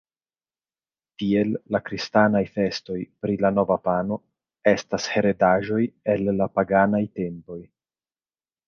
Tiel la kristanaj festoj pri la nova pano, estas heredaĵoj el la paganaj tempoj.